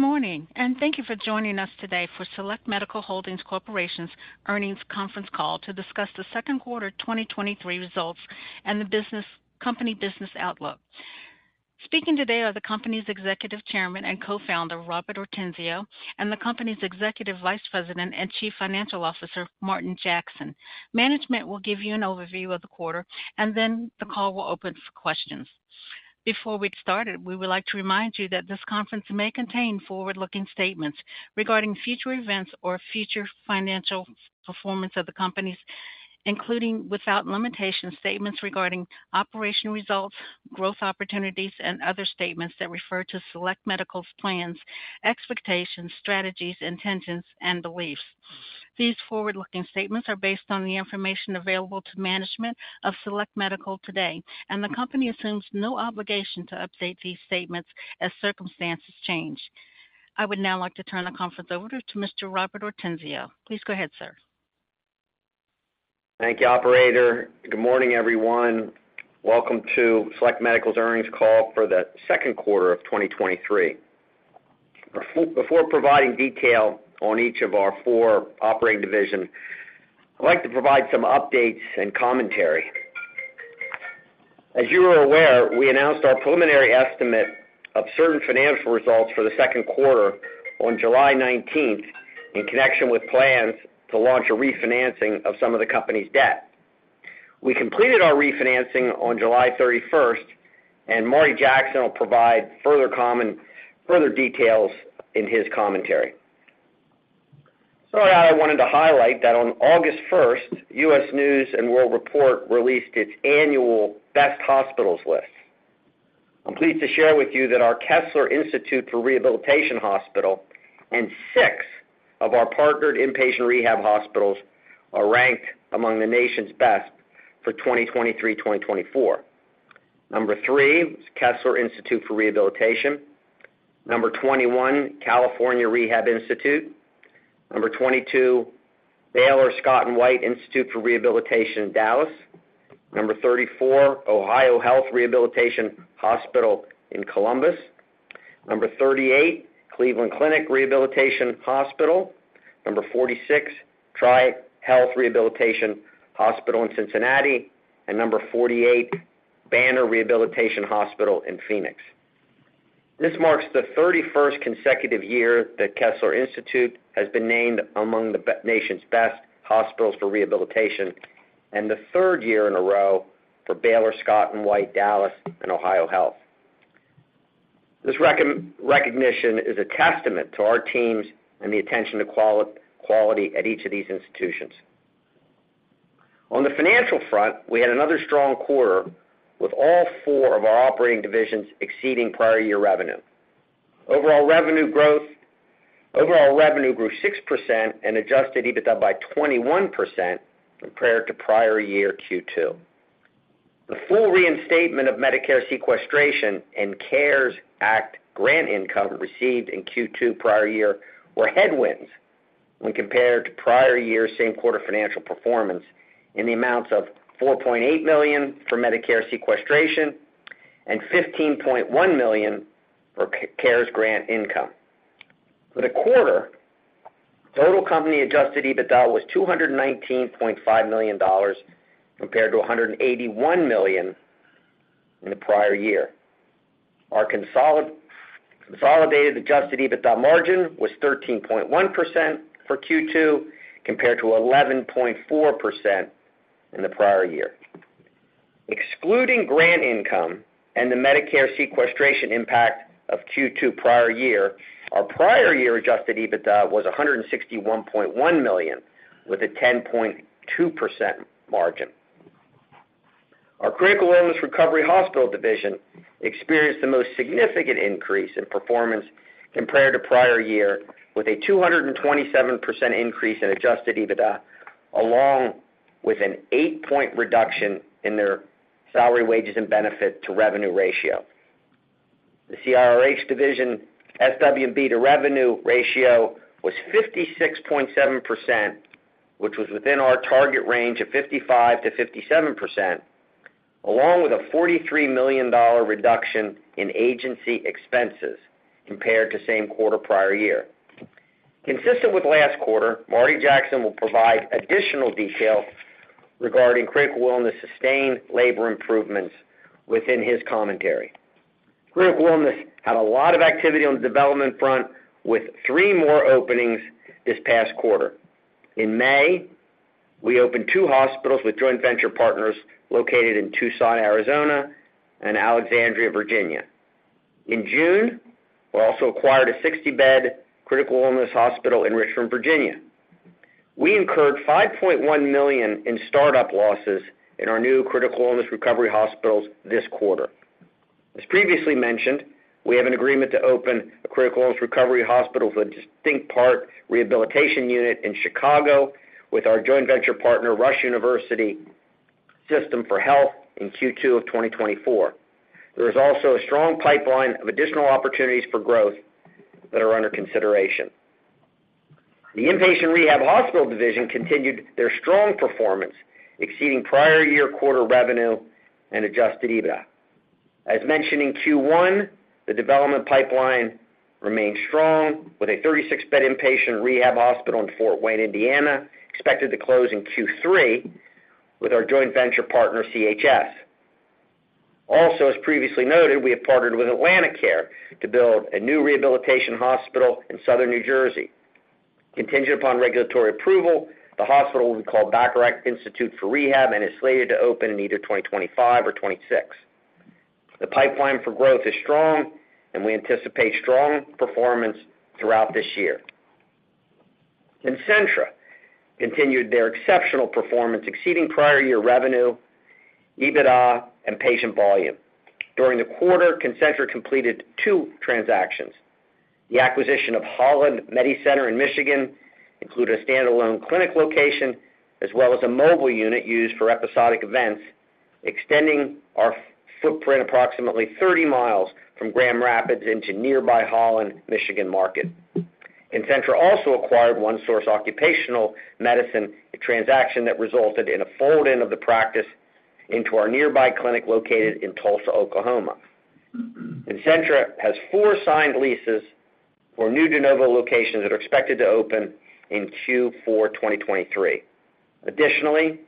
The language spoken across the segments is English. Good morning, thank you for joining us today for Select Medical Holdings Corporation's Earnings Conference Call to discuss the Second Quarter 2023 Results and the Company Business Outlook. Speaking today are the company's Executive Chairman and Co-Founder, Robert Ortenzio, and the company's Executive Vice President and Chief Financial Officer, Martin Jackson. Management will give you an overview of the quarter, then the call will open for questions. Before we get started, we would like to remind you that this conference may contain forward-looking statements regarding future events or future financial performance of the companies including without limitation, statements regarding operational results, growth opportunities, and other statements that refer to Select Medical's plans, expectations, strategies, intentions, and beliefs. These forward-looking statements are based on the information available to management of Select Medical today, the company assumes no obligation to update these statements as circumstances change. I would now like to turn the conference over to Mr. Robert Ortenzio. Please go ahead, sir. Thank you, operator. Good morning, everyone. Welcome to Select Medical's earnings call for the second quarter of 2023. Before providing detail on each of our four operating divisions, I'd like to provide some updates and commentary. As you are aware, we announced our preliminary estimate of certain financial results for the second quarter on 19 July in connection with plans to launch a refinancing of some of the company's debt. We completed our refinancing on 31 July and Martin Jackson will provide further details in his commentary. I wanted to highlight that on 1st August U.S. News & World Report released its annual Best Hospitals list. I'm pleased to share with you that our Kessler Institute for Rehabilitation and six of our partnered inpatient rehab hospitals are ranked among the nation's best for 2023/2024. Number three, Kessler Institute for Rehabilitation. Number 21, California Rehabilitation Institute. Number 22, Baylor Scott & White Institute for Rehabilitation in Dallas. Number 34, OhioHealth Rehabilitation Hospital in Columbus. Number 38, Cleveland Clinic Rehabilitation Hospital. Number 46, TriHealth Rehabilitation Hospital in Cincinnati. Number 48, Banner Rehabilitation Hospital in Phoenix. This marks the 31st consecutive year that Kessler Institute has been named among the nation's Best Hospitals for rehabilitation, and the third year in a row for Baylor Scott & White Dallas and OhioHealth. This recognition is a testament to our teams and the attention to quality at each of these institutions. On the financial front, we had another strong quarter, with all four of our operating divisions exceeding prior year revenue. Overall revenue grew 6% and adjusted EBITDA by 21% compared to prior year Q2. The full reinstatement of Medicare sequestration and CARES Act grant income received in Q2 prior year were headwinds when compared to prior year's same quarter financial performance in the amounts of $4.8 million for Medicare sequestration and $15.1 million for CARES grant income. For the quarter, total company adjusted EBITDA was $219.5 million, compared to $181 million in the prior year. Our consolidated adjusted EBITDA margin was 13.1% for Q2, compared to 11.4% in the prior year. Excluding grant income and the Medicare sequestration impact of Q2 prior year, our prior year adjusted EBITDA was $161.1 million, with a 10.2% margin. Our Critical Illness Recovery Hospital division experienced the most significant increase in performance compared to prior year, with a 227% increase in adjusted EBITDA, along with an eight point reduction in their salary, wages, and benefit to revenue ratio. The CIRH division SWB to revenue ratio was 56.7%, which was within our target range of 55%-57%, along with a $43 million reduction in agency expenses compared to same quarter prior year. Consistent with last quarter, Martin Jackson will provide additional detail regarding Critical Illness sustained labor improvements within his commentary. Critical Illness had a lot of activity on the development front, with three more openings this past quarter. In May, we opened two hospitals with joint venture partners located in Tucson, Arizona and Alexandria, Virginia. In June, we also acquired a 60-bed critical illness hospital in Richmond, Virginia. We incurred $5.1 million in startup losses in our new Critical Illness Recovery hospitals this quarter. As previously mentioned, we have an agreement to open a Critical Illness Recovery Hospital with a distinct part rehabilitation unit in Chicago with our joint venture partner, Rush University System for Health, in Q2 of 2024. There is also a strong pipeline of additional opportunities for growth that are under consideration.. The inpatient rehab hospital division continued their strong performance, exceeding prior year quarter revenue and adjusted EBITDA. As mentioned in Q1, the development pipeline remained strong, with a 36-bed inpatient rehab hospital in Fort Wayne, Indiana, expected to close in Q3 with our joint venture partner, CHS. As previously noted, we have partnered with AtlantiCare to build a new rehabilitation hospital in Southern New Jersey. Contingent upon regulatory approval, the hospital will be called Bacharach Institute for Rehab and is slated to open in either 2025 or 2026. The pipeline for growth is strong, and we anticipate strong performance throughout this year. Concentra continued their exceptional performance, exceeding prior year revenue, EBITDA, and patient volume. During the quarter, Concentra completed two transactions. The acquisition of Holland MediCenter in Michigan included a standalone clinic location, as well as a mobile unit used for episodic events, extending our footprint approximately 30 miles from Grand Rapids into nearby Holland, Michigan market. Concentra also acquired OneSource Occupational Medicine, a transaction that resulted in a fold-in of the practice into our nearby clinic located in Tulsa, Oklahoma. Concentra has four signed leases for new de novo locations that are expected to open in Q4 2023. Additionally,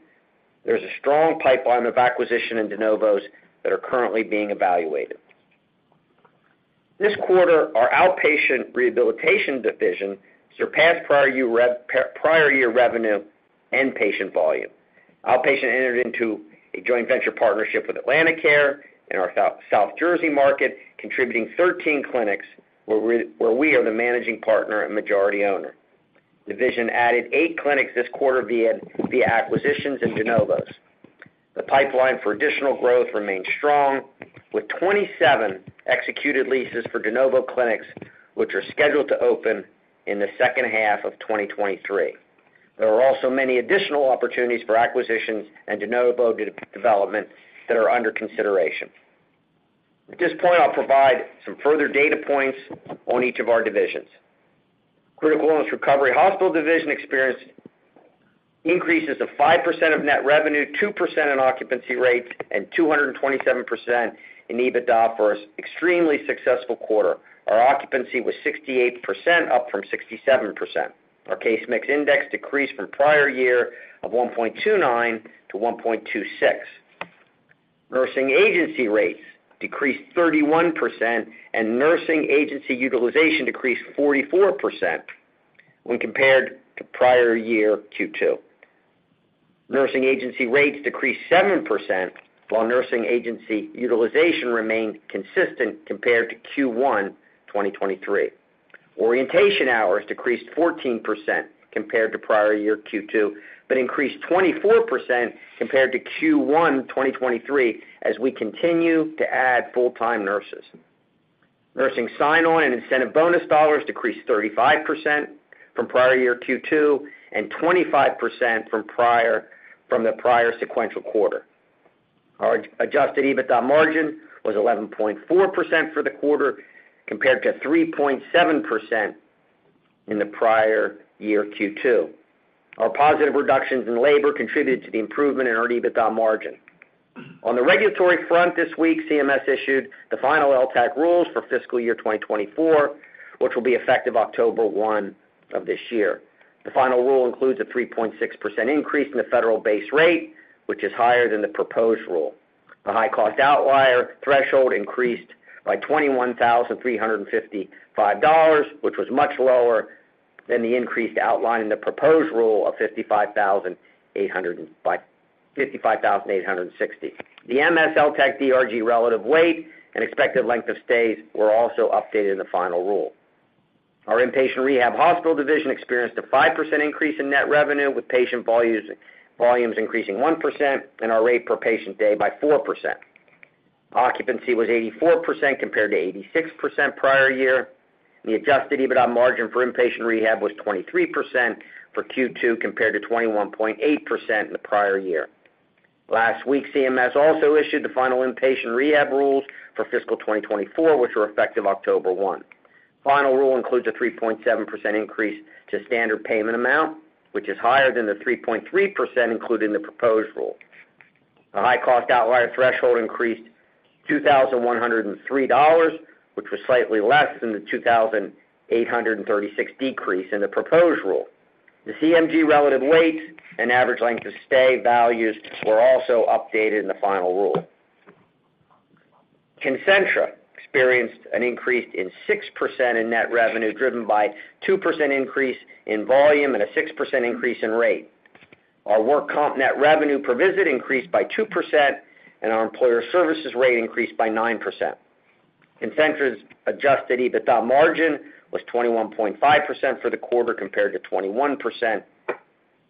there's a strong pipeline of acquisition in de novos that are currently being evaluated. This quarter, our outpatient rehabilitation division surpassed prior year revenue and patient volume. Outpatient entered into a joint venture partnership with AtlantiCare in our South Jersey market, contributing 13 clinics, where we are the managing partner and majority owner. Division added eight clinics this quarter via the acquisitions in de novos. The pipeline for additional growth remains strong, with 27 executed leases for de novo clinics, which are scheduled to open in the second half of 2023. There are also many additional opportunities for acquisitions and de novo development that are under consideration. At this point, I'll provide some further data points on each of our divisions. Critical Illness Recovery Hospital division experienced increases of 5% of net revenue, 2% in occupancy rates, and 227% in EBITDA for an extremely successful quarter. Our occupancy was 68%, up from 67%. Our case mix index decreased from prior-year of 1.29 to 1.26. Nursing agency rates decreased 31%, and nursing agency utilization decreased 44% when compared to prior-year Q2. Nursing agency rates decreased 7%, while nursing agency utilization remained consistent compared to Q1 2023. Orientation hours decreased 14% compared to prior-year Q2, but increased 24% compared to Q1 2023, as we continue to add full-time nurses. Nursing sign-on and incentive bonus dollars decreased 35% from prior-year Q2, and 25% from the prior sequential quarter. Our adjusted EBITDA margin was 11.4% for the quarter, compared to 3.7% in the prior year Q2. Our positive reductions in labor contributed to the improvement in our EBITDA margin. On the regulatory front this week, CMS issued the final LTAC rules for fiscal year 2024, which will be effective October 1 of this year. The final rule includes a 3.6% increase in the federal base rate, which is higher than the proposed rule. The high cost outlier threshold increased by $21,355, which was much lower than the increased outline in the proposed rule of $55,805, $55,805, $55,860. The MS LTAC DRG relative weight and expected length of stays were also updated in the final rule. Our Inpatient Rehab Hospital Division experienced a 5% increase in net revenue, with patient volumes increasing 1% and our rate per patient day by 4%. Occupancy was 84%, compared to 86% prior year. The adjusted EBITDA margin for inpatient rehab was 23% for Q2, compared to 21.8% in the prior year. Last week, CMS also issued the final inpatient rehab rules for fiscal 2024, which were effective 1 October. Final rule includes a 3.7% increase to standard payment amount, which is higher than the 3.3% included in the proposed rule. The high cost outlier threshold increased $2,103, which was slightly less than the $2,836 decrease in the proposed rule. The CMG relative weights and average length of stay values were also updated in the final rule. Concentra experienced an increase in 6% in net revenue, driven by 2% increase in volume and a 6% increase in rate. Our work comp net revenue per visit increased by 2%, and our employer services rate increased by 9%. Concentra's adjusted EBITDA margin was 21.5% for the quarter, compared to 21%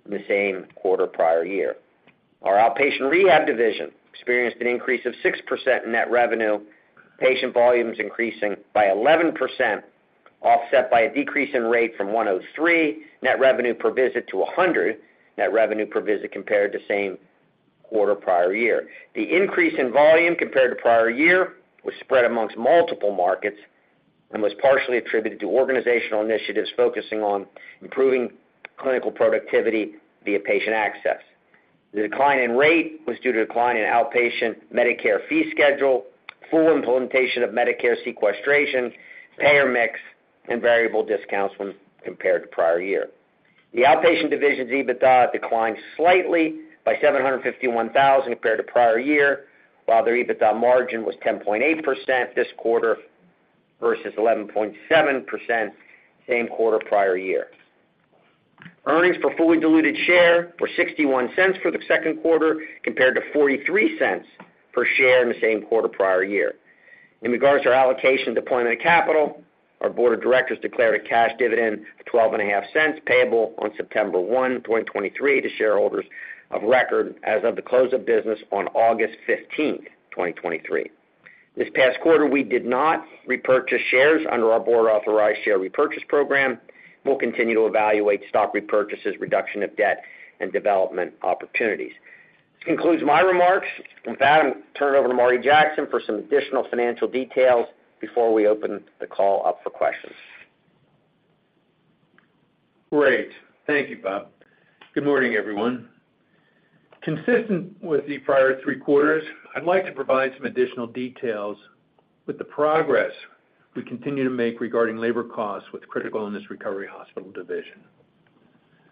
in the same quarter prior year. Our outpatient rehab division experienced an increase of 6% in net revenue, patient volumes increasing by 11%, offset by a decrease in rate from 103 net revenue per visit to 100 net revenue per visit compared to quarter prior year. The increase in volume compared to prior year was spread amongst multiple markets and was partially attributed to organizational initiatives focusing on improving clinical productivity via patient access. The decline in rate was due to a decline in outpatient Medicare fee schedule, full implementation of Medicare sequestration, payer mix, and variable discounts when compared to prior year. The outpatient division's EBITDA declined slightly by $751,000 compared to prior year, while their EBITDA margin was 10.8% this quarter versus 11.7% same quarter prior year. Earnings per fully diluted share were $0.61 for the second quarter, compared to $0.43 per share in the same quarter prior year. In regards to our allocation and deployment of capital, our board of directors declared a cash dividend of $0.125, payable on September 1, 2023, to shareholders of record as of the close of business on August 15, 2023. This past quarter, we did not repurchase shares under our board authorized share repurchase program. We'll continue to evaluate stock repurchases, reduction of debt, and development opportunities. This concludes my remarks. With that, I'm gonna turn it over to Martin Jackson for some additional financial details before we open the call up for questions. Great. Thank you, Rob. Good morning, everyone. Consistent with the prior three quarters, I'd like to provide some additional details with the progress we continue to make regarding labor costs with Critical Illness Recovery Hospital division.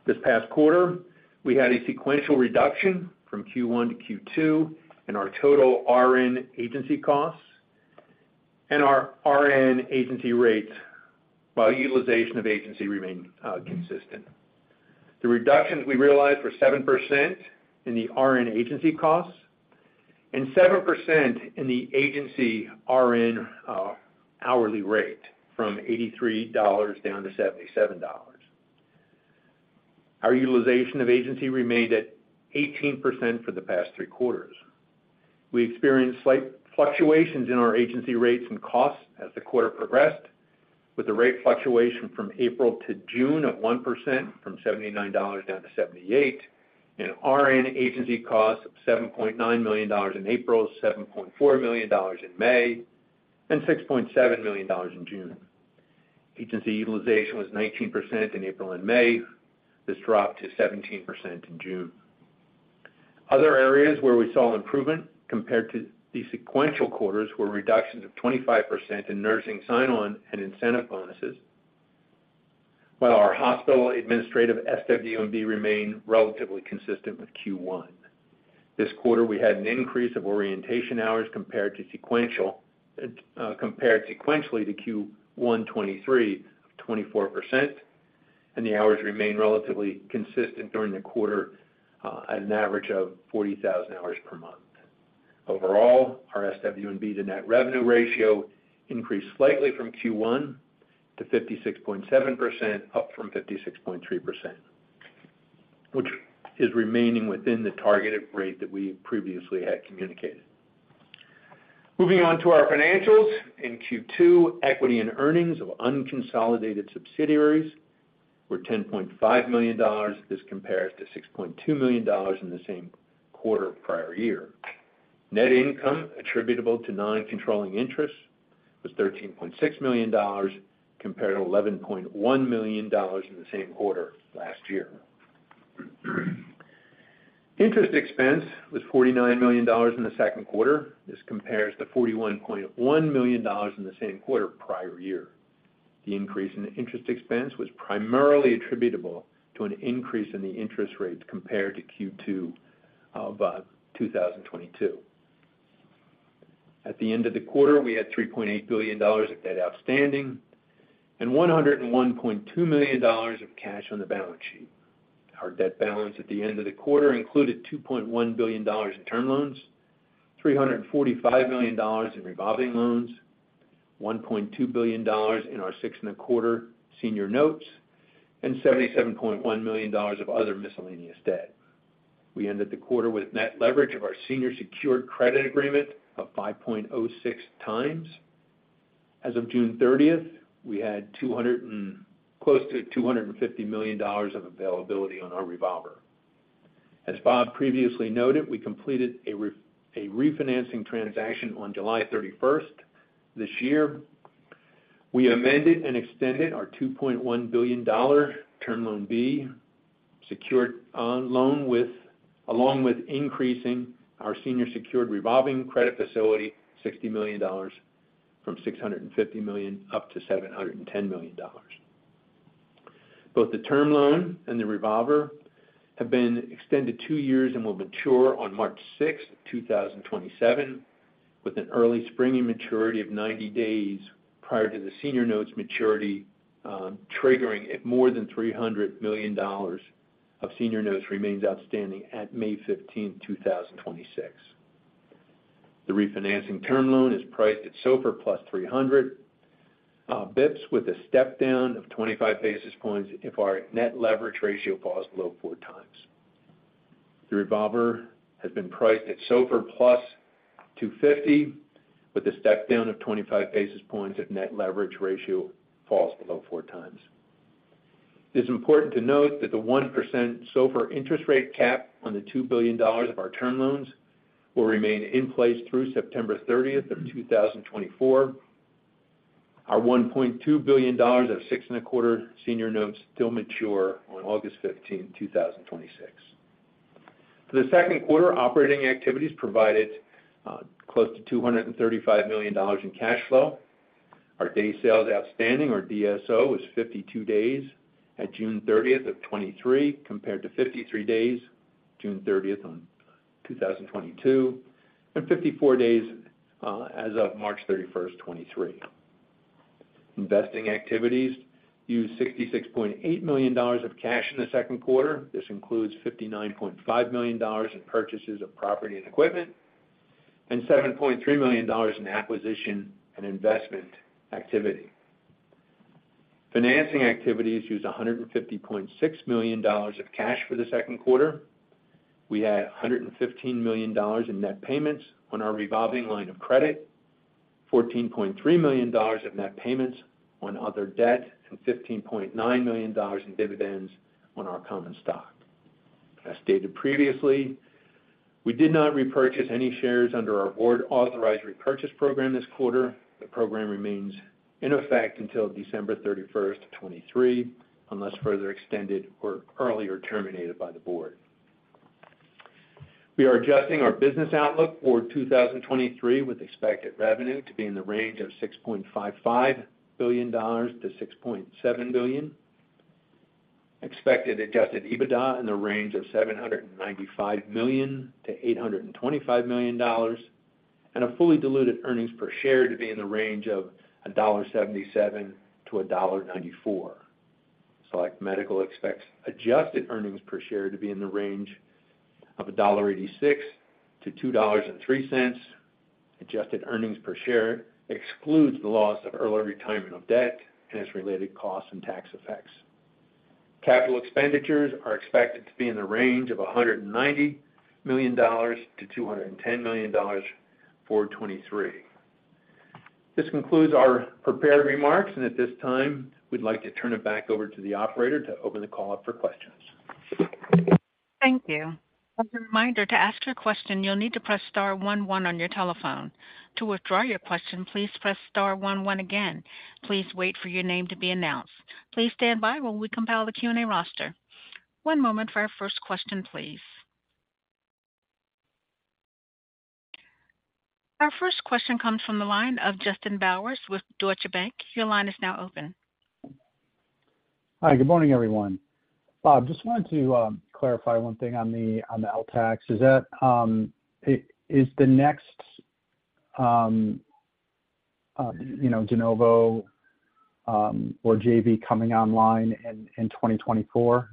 This past quarter, we had a sequential reduction from Q1 to Q2 in our total RN agency costs and our RN agency rates, while utilization of agency remained consistent. The reductions we realized were 7% in the RN agency costs and 7% in the agency RN hourly rate, from $83 down to $77. Our utilization of agency remained at 18% for the past three quarters. We experienced slight fluctuations in our agency rates and costs as the quarter progressed, with the rate fluctuation from April to June of 1%, from $79 down to $78, and RN agency costs of $7.9 million in April, $7.4 million in May, and $6.7 million in June. Agency utilization was 19% in April and May. This dropped to 17% in June. Other areas where we saw improvement compared to the sequential quarters were reductions of 25% in nursing sign-on and incentive bonuses, while our hospital administrative SWB remained relatively consistent with Q1. This quarter, we had an increase of orientation hours compared to sequential, compared sequentially to Q1 2023 of 24%, and the hours remained relatively consistent during the quarter, at an average of 40,000 hours per month. Overall, our SWB, the net revenue ratio, increased slightly from Q1 to 56.7%, up from 56.3%, which is remaining within the targeted rate that we previously had communicated. Moving on to our financials. In Q2, equity and earnings of unconsolidated subsidiaries were $10.5 million. This compares to $6.2 million in the same quarter prior year. Net income attributable to non-controlling interests was $13.6 million, compared to $11.1 million in the same quarter last year. Interest expense was $49 million in the second quarter. This compares to $41.1 million in the same quarter prior year. The increase in interest expense was primarily attributable to an increase in the interest rates compared to Q2 of 2022. At the end of the quarter, we had $3.8 billion of debt outstanding and $101.2 million of cash on the balance sheet. Our debt balance at the end of the quarter included $2.1 billion in term loans, $345 million in revolving loans, $1.2 billion in our 6.250% Senior Notes, and $77.1 million of other miscellaneous debt. We ended the quarter with net leverage of our senior secured credit agreement of 5.06 times. As of June 30th, we had close to $250 million of availability on our revolver. As Rob previously noted, we completed a refinancing transaction on 31 July this year. We amended and extended our $2.1 billion Term Loan B, secured on loan with, along with increasing our senior secured revolving credit facility, $60 million from $650 million up to $710 million. Both the term loan and the revolver have been extended two years and will mature on March 6, 2027, with an early springing maturity of 90 days prior to the Senior Notes maturity, triggering if more than $300 million of Senior Notes remains outstanding at May 15, 2026. The refinancing term loan is priced at SOFR plus 300 basis points, with a step down of 25 basis points if our net leverage ratio falls below four times. The revolver has been priced at SOFR plus 250, with a step down of 25 basis points if net leverage ratio falls below 4 times. It's important to note that the 1% SOFR interest rate cap on the $2 billion of our term loans will remain in place through September 30, 2024. Our $1.2 billion of 6.250% Senior Notes still mature on August 15, 2026. For the second quarter, operating activities provided close to $235 million in cash flow. Our day sales outstanding, or DSO, was 52 days at June 30, 2023, compared to 53 days, June 30, 2022, and 54 days as of March 31, 2023. Investing activities used $66.8 million of cash in the second quarter. This includes $59.5 million in purchases of property and equipment and $7.3 million in acquisition and investment activity. Financing activities used $150.6 million of cash for the second quarter. We had $115 million in net payments on our revolving line of credit, $14.3 million of net payments on other debt, and $15.9 million in dividends on our common stock. As stated previously, we did not repurchase any shares under our board authorized repurchase program this quarter. The program remains in effect until December 31, 2023, unless further extended or earlier terminated by the board. We are adjusting our business outlook for 2023, with expected revenue to be in the range of $6.55 billion-$6.7 billion, expected adjusted EBITDA in the range of $795 million to $825 million, and a fully diluted earnings per share to be in the range of $1.77-$1.94. Select Medical expects adjusted earnings per share to be in the range of $1.86-$2.03. Adjusted earnings per share excludes the loss of early retirement of debt and its related costs and tax effects. Capital expenditures are expected to be in the range of $190 million to $210 million for 2023. This concludes our prepared remarks, and at this time, we'd like to turn it back over to the operator to open the call up for questions. Thank you. As a reminder, to ask your question, you'll need to press star one, one on your telephone. To withdraw your question, please press star one, one again. Please wait for your name to be announced. Please stand by while we compile the Q&A roster. One moment for our first question, please. Our first question comes from the line of Justin Bowers with Deutsche Bank. Your line is now open. Hi, good morning, everyone. Rob, just wanted to clarify one thing on the, on the LTACs, is that is the next, you know, de novo, or JV coming online in, in 2024,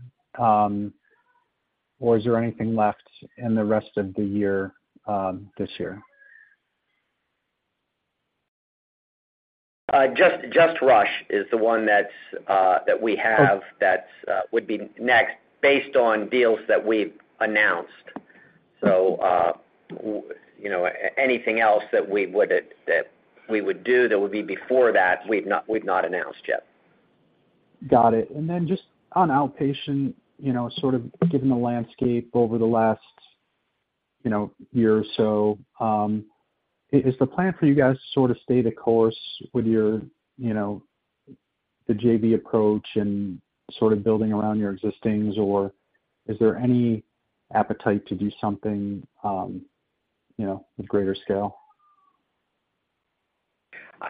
or is there anything left in the rest of the year, this year? just, just Rush is the one that's, that we have. Okay. That's, would be next, based on deals that we've announced. You know, anything else that we would that we would do that would be before that, we've not, we've not announced yet. Got it. Then just on outpatient, you know, sort of given the landscape over the last, you know, year or so, is the plan for you guys to sort of stay the course with your, you know, the JV approach and sort of building around your existings, or is there any appetite to do something, you know, with greater scale?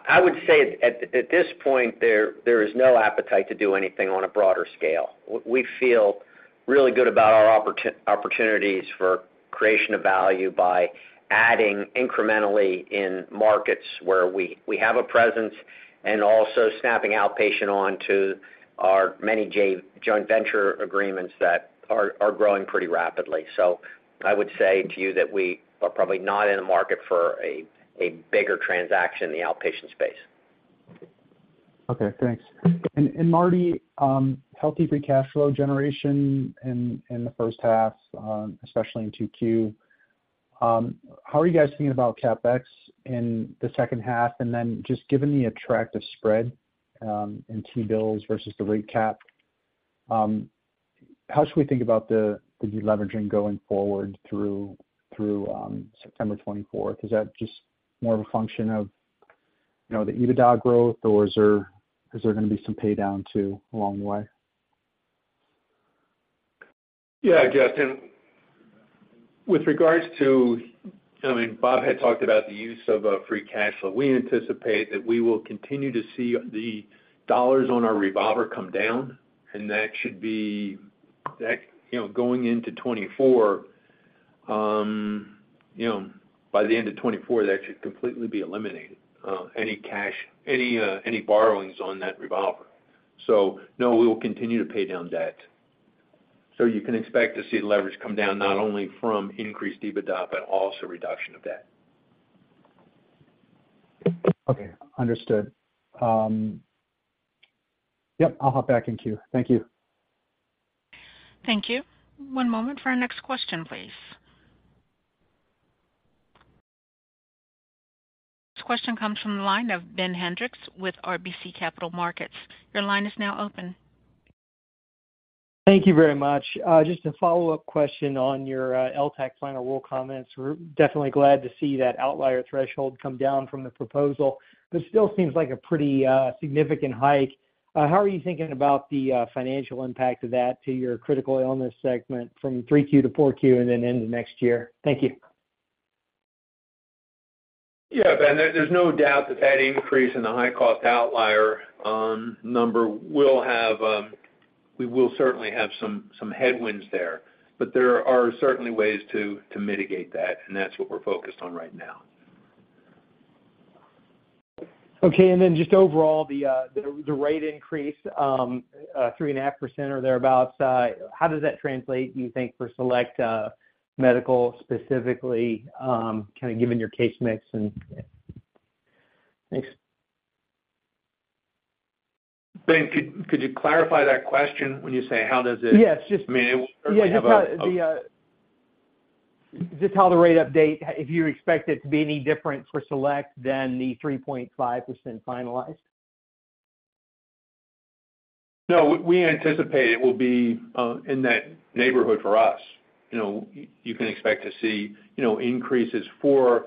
I would say at this point, there, there is no appetite to do anything on a broader scale. We, we feel really good about our opportunities for creation of value by adding incrementally in markets where we have a presence, and also snapping outpatient on to our many joint venture agreements that are, are growing pretty rapidly. I would say to you that we are probably not in the market for a bigger transaction in the outpatient space. Okay, thanks. Martin, healthy free cash flow generation in the first half, especially in Q2. How are you guys thinking about CapEx in the second half? Then just given the attractive spread in T-bills versus the rate cap, how should we think about the deleveraging going forward through 24 September? Is that just more of a function of, you know, the EBITDA growth, or is there, is there gonna be some paydown, too, along the way? Yeah, Justin, with regards to I mean, Rob had talked about the use of free cash flow. We anticipate that we will continue to see the dollars on our revolver come down. That should be, you know, going into 2024, you know, by the end of 2024, that should completely be eliminated, any cash, any, any borrowings on that revolver. No, we will continue to pay down debt. You can expect to see leverage come down, not only from increased EBITDA, but also reduction of debt. Okay, understood. Yep, I'll hop back in queue. Thank you. Thank you. One moment for our next question, please. question comes from the line of Ben Hendrix with RBC Capital Markets. Your line is now open. Thank you very much. Just a follow-up question on your LTCH final rule comments. We're definitely glad to see that outlier threshold come down from the proposal, but it still seems like a pretty significant hike. How are you thinking about the financial impact of that to your critical illness segment from 3Q to 4Q and then into next year? Thank you. Yeah, Ben, there, there's no doubt that that increase in the high cost outlier number will have, we will certainly have some, some headwinds there. There are certainly ways to, to mitigate that, and that's what we're focused on right now. Okay. Then just overall, the, the, the rate increase, 3.5% or thereabouts, how does that translate, do you think, for Select Medical, specifically, kind of given your case mix and thanks? Ben, could you clarify that question when you say, how does? Yes. I mean, we have a Just how the rate update, if you expect it to be any different for Select than the 3.5% finalized? No, we, we anticipate it will be in that neighborhood for us. You know, you can expect to see, you know, increases for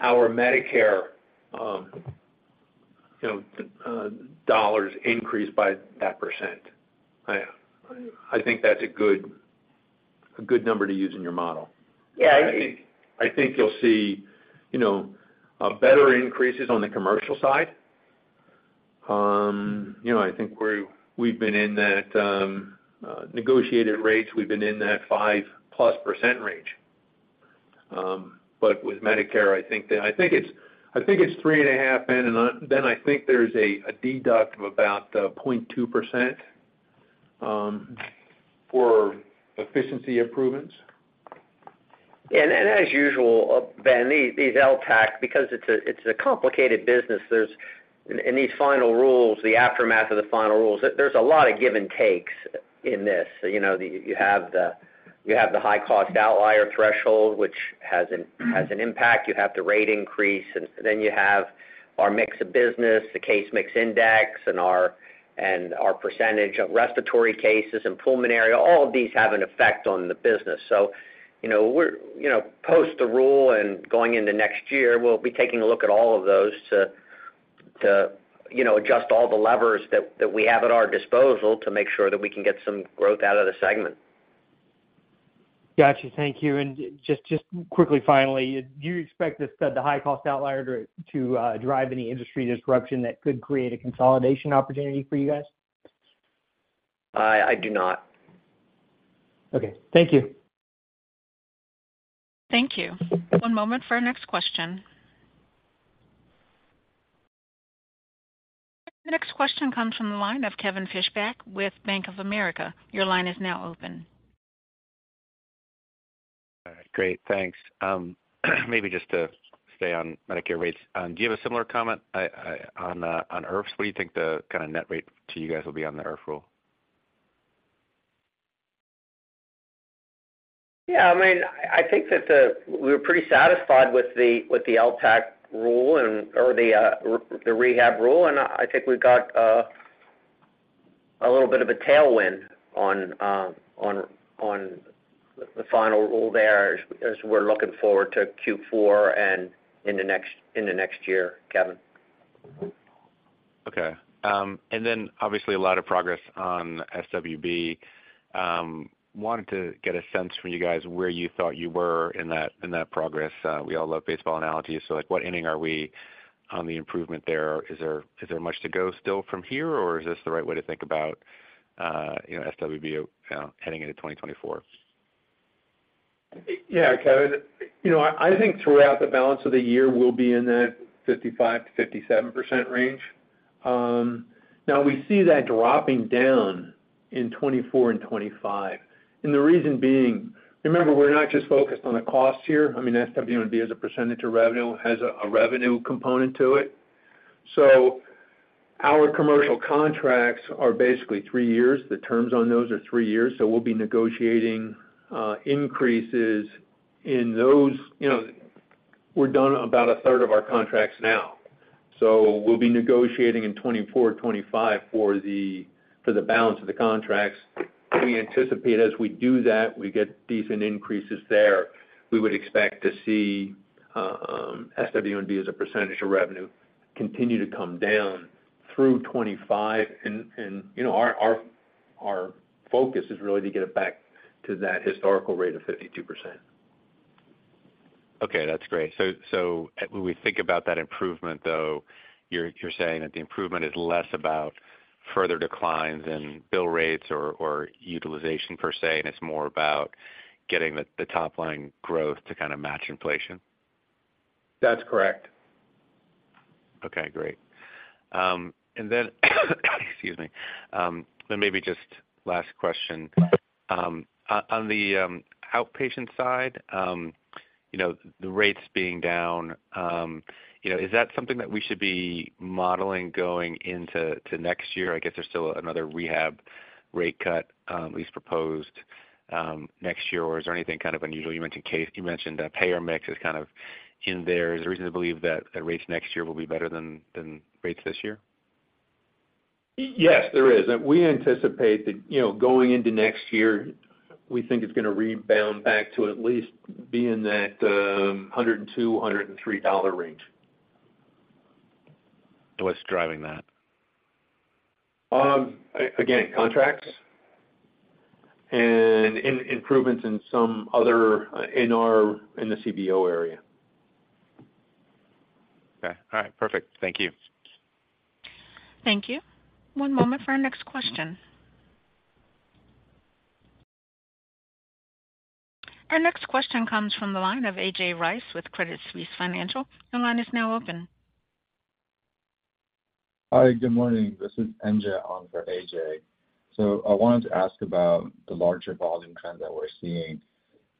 our Medicare, you know, dollars increase by that %. I think that's a good, a good number to use in your model. Yeah, I think I think you'll see, you know, better increases on the commercial side. You know, I think we've been in that negotiated rates. We've been in that 5%+ range. With Medicare, I think it's, I think it's 3.5, Ben, and then I think there's a, a deduct of about 0.2% for efficiency improvements. As usual, Ben, these LTCH, because it's a complicated business, there's. In these final rules, the aftermath of the final rules, there's a lot of give and takes in this. You know, you have the high cost outlier threshold, which has an impact. You have the rate increase, and then you have our mix of business, the case mix index, and our percentage of respiratory cases and pulmonary. All of these have an effect on the business. You know, we're, you know, post the rule and going into next year, we'll be taking a look at all of those to, you know, adjust all the levers that we have at our disposal to make sure that we can get some growth out of the segment. Got you. Thank you. Just, just quickly, finally, do you expect this, the high cost outlier to, to drive any industry disruption that could create a consolidation opportunity for you guys? I do not. Okay. Thank you. Thank you. One moment for our next question. The next question comes from the line of Kevin Fischbeck with Bank of America. Your line is now open. All right. Great, thanks. Maybe just to stay on Medicare rates, do you have a similar comment on IRFs? What do you think the kind of net rate to you guys will be on the IRF rule? Yeah, I mean, I think that we're pretty satisfied with the, with the LTCH rule and or the, the rehab rule, and I think we've got a little bit of a tailwind on the final rule there as, as we're looking forward to Q4 and in the next year, Kevin. Okay. Then, obviously, a lot of progress on SWB. Wanted to get a sense from you guys where you thought you were in that, in that progress. We all love baseball analogies, so, like, what inning are we on the improvement there? Is there, is there much to go still from here, or is this the right way to think about, you know, SWB, heading into 2024? Yeah, Kevin. You know, I think throughout the balance of the year, we'll be in that 55%-57% range. Now we see that dropping down in 2024 and 2025. The reason being, remember, we're not just focused on the costs here. I mean, SWB, as a percentage of revenue, has a, a revenue component to it. Our commercial contracts are basically three years. The terms on those are three years, so we'll be negotiating increases in those. You know, we're done about a third of our contracts now, so we'll be negotiating in 2024 or 2025 for the, for the balance of the contracts. We anticipate as we do that, we get decent increases there. We would expect to see SWB, as a percentage of revenue, continue to come down through 2025. You know, our, our, our focus is really to get it back to that historical rate of 52%. Okay, that's great. So when we think about that improvement, though, you're, you're saying that the improvement is less about further declines in bill rates or, or utilization per se, and it's more about getting the, the top line growth to kind of match inflation? That's correct. Okay, great. Then, excuse me. Then maybe just last question. On, on the outpatient side, you know, the rates being down, you know, is that something that we should be modeling going into to next year? I guess there's still another rehab rate cut, at least proposed next year, or is there anything kind of unusual? You mentioned you mentioned payer mix is kind of in there. Is there a reason to believe that the rates next year will be better than, than rates this year? Yes, there is. We anticipate that, you know, going into next year, we think it's going to rebound back to at least be in that, $102-$103 range. What's driving that? again, contracts and improvements in some other in our, in the CBO area. Okay. All right, perfect. Thank you. Thank you. One moment for our next question. Our next question comes from the line of AJ Rice with Credit Suisse Financial. Your line is now open. Hi, good morning. This is NJ on for AJ. I wanted to ask about the larger volume trend that we're seeing.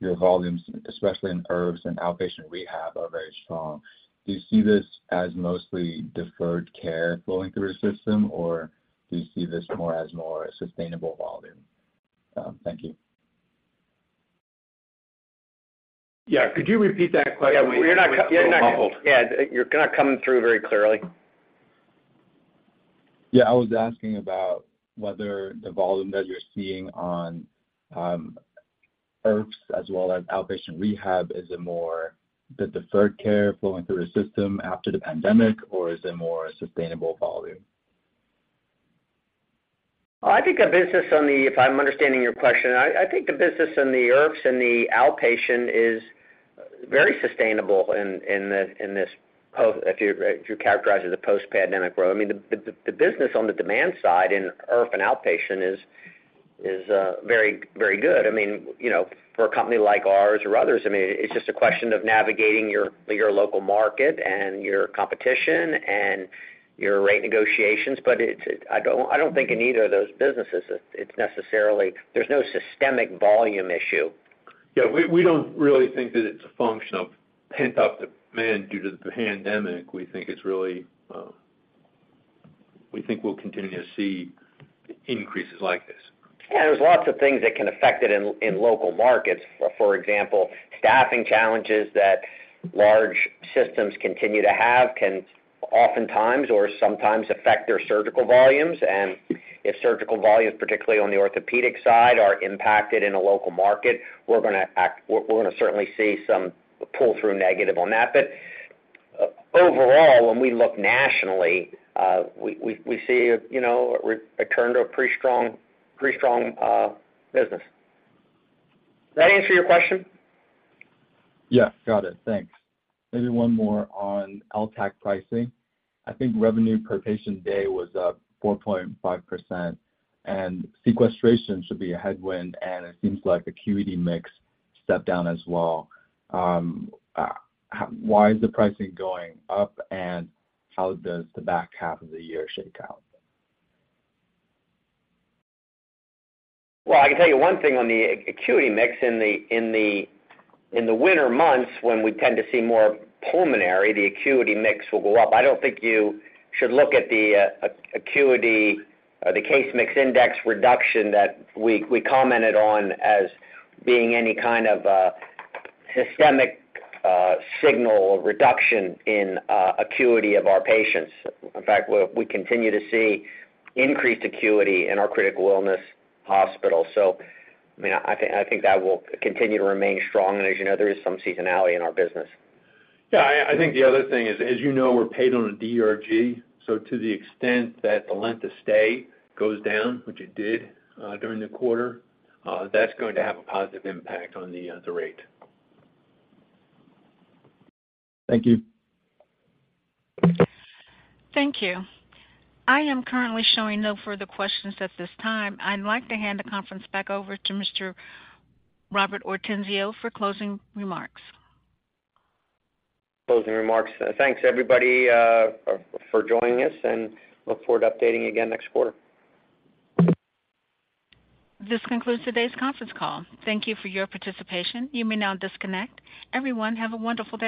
Your volumes, especially in IRFs and outpatient rehab, are very strong. Do you see this as mostly deferred care flowing through the system, or do you see this more as more sustainable volume? Thank you. Yeah, could you repeat that question? Yeah, you're not, yeah, you're not coming through very clearly. Yeah, I was asking about whether the volume that you're seeing on IRFs as well as outpatient rehab, is it more the deferred care flowing through the system after the pandemic, or is it more sustainable volume? I think the business on the, if I'm understanding your question, I think the business in the IRFs and the outpatient is very sustainable in this post, if you're, if you characterize it as post-pandemic growth. I mean, the business on the demand side in IRF and outpatient is very good. I mean, you know, for a company like ours or others, I mean, it's just a question of navigating your, your local market and your competition and your rate negotiations. It's I don't think in either of those businesses, it's necessarily. There's no systemic volume issue. Yeah, we, we don't really think that it's a function of pent-up demand due to the pandemic. We think it's really, we think we'll continue to see increases like this. There's lots of things that can affect it in, in local markets. For example, staffing challenges that large systems continue to have can oftentimes or sometimes affect their surgical volumes. If surgical volumes, particularly on the orthopedic side, are impacted in a local market, we're going to certainly see some pull-through negative on that. Overall, when we look nationally, we see, you know, a return to a pretty strong, pretty strong business. Does that answer your question? Yes, got it. Thanks. Maybe one more on LTAC pricing. I think revenue per patient day was up 4.5%, and sequestration should be a headwind, and it seems like the acuity mix stepped down as well. Why is the pricing going up? How does the back half of the year shake out? Well, I can tell you one thing on the acuity mix in the, in the, in the winter months, when we tend to see more pulmonary, the acuity mix will go up. I don't think you should look at the acuity, the case mix index reduction that we, we commented on as being any kind of systemic, signal or reduction in acuity of our patients. In fact, we, we continue to see increased acuity in our critical illness hospital. So, I mean, I think, I think that will continue to remain strong. As you know, there is some seasonality in our business. Yeah I think the other thing is, as you know, we're paid on a DRG. To the extent that the length of stay goes down, which it did, during the quarter, that's going to have a positive impact on the, the rate. Thank you. Thank you. I am currently showing no further questions at this time. I'd like to hand the conference back over to Mr. Robert Ortenzio for closing remarks. Closing remarks. Thanks, everybody, for joining us, and look forward to updating again next quarter. This concludes today's conference call. Thank you for your participation. You may now disconnect. Everyone, have a wonderful day.